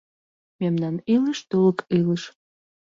Мемнан илыш — тулык илыш